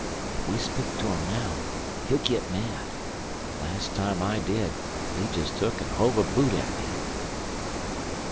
Ef we speak to him now, he'll git mad. Las' time I did, he jest took an' hove a boot at me."